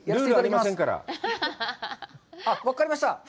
あっ、分かりました。